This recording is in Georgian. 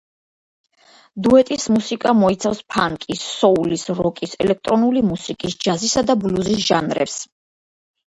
დუეტის მუსიკა მოიცავს ფანკის, სოულის, როკის, ელექტრონული მუსიკის, ჯაზისა და ბლუზის ჟანრებს.